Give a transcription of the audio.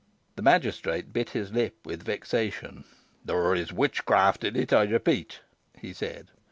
The magistrate bit his lips with vexation. "There is witchcraft in it, I repeat," he said.